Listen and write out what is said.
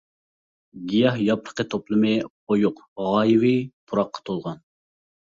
«گىياھ ياپرىقى» توپلىمى قويۇق غايىۋى پۇراققا تولغان.